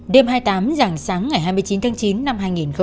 đêm hai mươi tám giảng sáng ngày hai mươi chín tháng chín năm hai nghìn chín